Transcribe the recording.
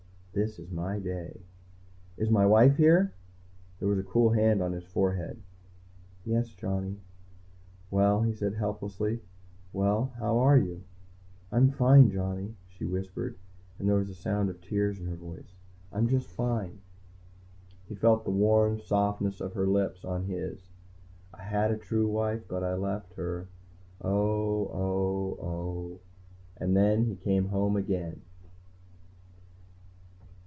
This is my day. "Is my wife here?" There was a cool hand on his forehead. "Yes, Johnny." "Well," he said helplessly. "Well, how are you?" "I'm fine, Johnny," she whispered, and there was the sound of tears in her voice. "I'm just fine." He felt the warm softness of her lips on his. I had a true wife but I left her ... oh, oh, oh. And then he came home again.